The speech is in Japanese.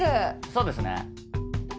そうですね。